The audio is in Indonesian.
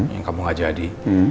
yang kamu ngajari